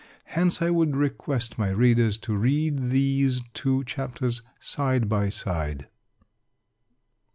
Hence I would request my readers to read these two chapters side by side.